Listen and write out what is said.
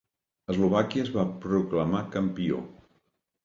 Eslovàquia es va proclamar campió.